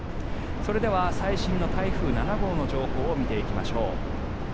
それでは最新の台風７号の情報を見ていきましょう。